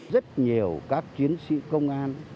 rất nhiều các chiến sĩ công an